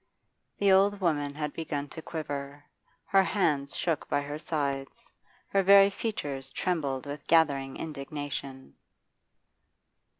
The old woman had begun to quiver; her hands shook by her sides, her very features trembled with gathering indignation.